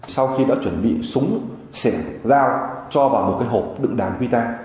sau khi đã chuẩn bị súng xe dao cho vào một cái hộp đựng đàn vita